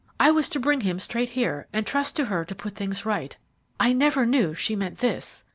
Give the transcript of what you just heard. I was to bring him straight here, and trust to her to put things right. I never knew she meant this.